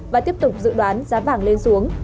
và tiếp tục dự đoán giá vàng lên xuống